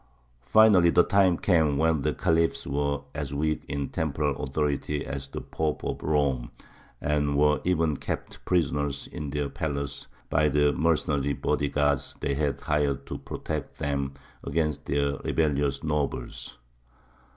Finally the time came when the Khalifs were as weak in temporal authority as the Pope of Rome, and were even kept prisoners in their palace by the mercenary body guard they had hired to protect them against their rebellious nobles.